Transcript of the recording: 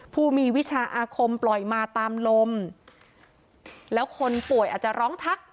ผู้มีวิชาอาคมปล่อยมาตามลมแล้วคนป่วยอาจจะร้องทัก